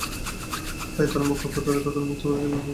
তাই তারা মক্কার পথ তাদের জন্য উন্মুক্ত করে দেয়ার সিদ্ধান্ত করল।